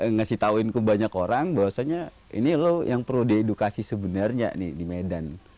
ngasih tahuin ke banyak orang bahwasanya ini lo yang perlu diedukasi sebenarnya nih di medan